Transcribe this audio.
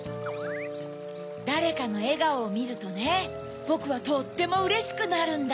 だれかのえがおをみるとねぼくはとってもうれしくなるんだ！